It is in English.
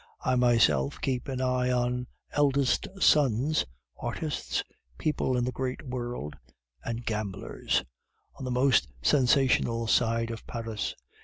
I myself keep an eye on eldest sons, artists, people in the great world, and gamblers on the most sensational side of Paris.